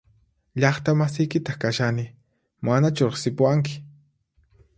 Llaqta masiykitaq kashani ¿Manachu riqsipuwanki?